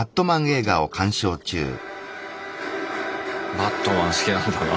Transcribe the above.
バットマン好きなんだな。